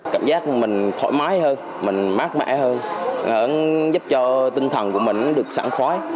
cảm giác mình thoải mái hơn mình mát mẻ hơn giúp cho tinh thần của mình được sẵn khoái